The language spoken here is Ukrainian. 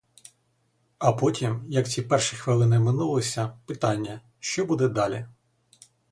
А потім, як ці перші хвилини минулися, питання, що буде далі?